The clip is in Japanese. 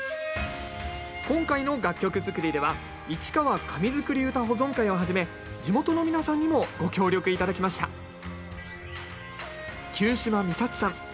今回の楽曲作りでは市川紙づくり唄保存会をはじめ地元の皆さんにもご協力頂きました久嶋美さちさん